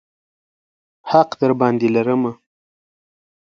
حق درباندې لرمه.